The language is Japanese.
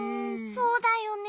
そうだよね。